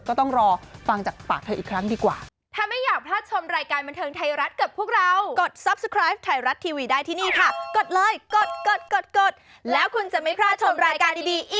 ก็ต้องรอฟังจากปากเธออีกครั้งดีกว่า